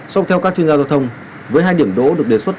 song theo các chuyên gia giao thông với hai điểm đỗ được đề xuất